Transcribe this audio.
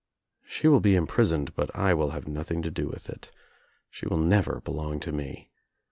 "She will be imprisoned but I will have ■ nothing to do with it. She will never belong to me.